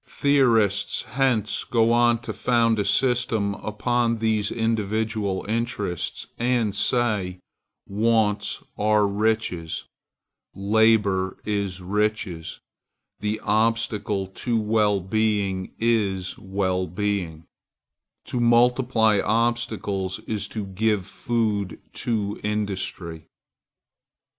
Theorists hence go on to found a system upon these individual interests, and say: Wants are riches: Labor is riches: The obstacle to well being is well being: To multiply obstacles is to give food to industry.